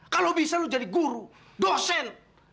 kalau bisa lo jadi guru dosen